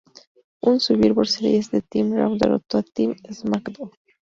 En Survivor Series, el Team Raw derrotó al Team SmackDown.